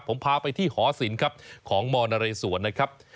ผมพาไปที่หอศิลป์ครับของมนเรสวนนะครับ